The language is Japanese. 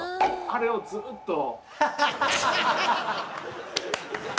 あれをずーっと。